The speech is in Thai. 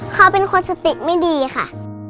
เขาเป็นคนสติไม่ดีค่ะ